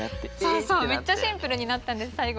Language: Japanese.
そうそうめっちゃシンプルになったんですさいご。